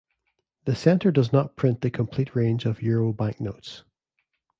The centre does not print the complete range of euro banknotes.